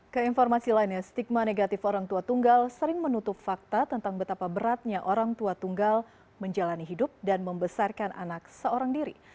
keinformasi lainnya stigma negatif orang tua tunggal sering menutup fakta tentang betapa beratnya orang tua tunggal menjalani hidup dan membesarkan anak seorang diri